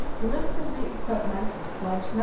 List OF THE EQUIPMENT SLEDGE No.